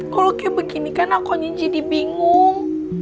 kalau kayak begini kan akunya jadi bingung